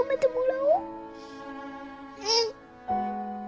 うん。